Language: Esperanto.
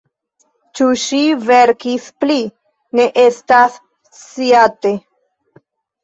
Ĉu ŝi verkis pli, ne estas sciate.